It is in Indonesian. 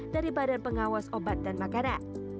dari badan pengawas obat dan makanan